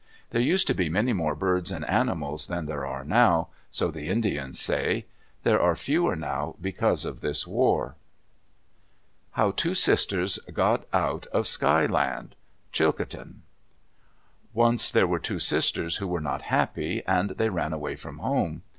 There used to be many more birds and animals than there are now; so the Indians say. There are fewer now because of this war. HOW TWO SISTERS GOT OUT OF SKY LAND Chilcotin Once there were two sisters who were not happy, and they ran away from home.